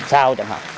sau chẳng hạn